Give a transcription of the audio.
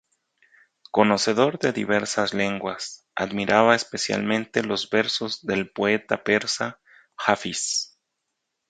Conocedor de diversas lenguas, admiraba especialmente los versos del poeta persa Hafiz.